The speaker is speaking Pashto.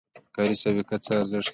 کاري سابقه څه ارزښت لري؟